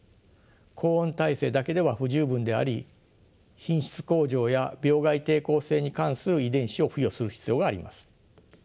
高温耐性だけでは不十分であり品質向上や病害抵抗性に関する遺伝子を付与する必要があります。